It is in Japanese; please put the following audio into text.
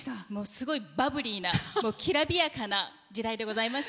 すごいバブリーなきらびやかな時代でございました。